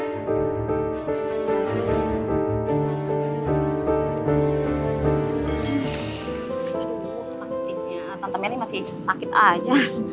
tante meli masih sakit aja